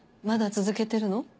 まだ続けてるの？